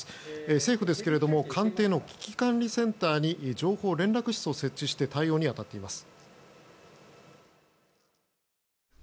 政府ですが官邸の危機管理センターに情報連絡室を設置して対応に当たっています。